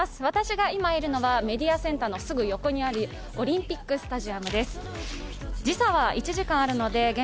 私が今いるのはメディアセンターのすぐ横にあるオリンピックスタジアムです。